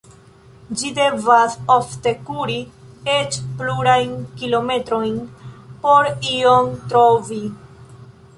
Ĝi devas ofte kuri eĉ plurajn kilometrojn por ion trovi.